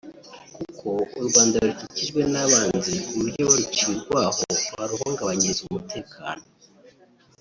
kuko u Rwanda rukikijwe n’abanzi ku buryo baruciye urwaho baruhungabanyiriza umutekano